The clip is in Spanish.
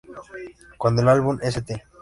Cuando el álbum "St.